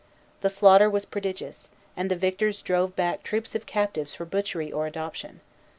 The slaughter was prodigious, and the victors drove back troops of captives for butchery or adoption.